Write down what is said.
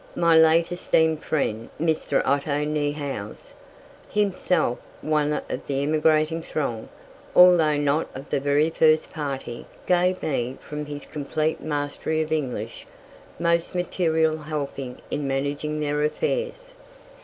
My late esteemed friend, Mr. Otto Neuhauss, himself one of the emigrating throng, although not of the very first party, gave me, from his complete mastery of English, most material help in managing their affairs.